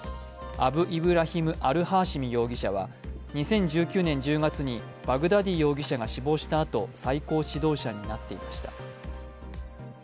アブ・イブラヒム・アル・ハーシミ容疑者は２０１９年１０月にバクダディ容疑者が死亡したあと、最高指導者になっていました。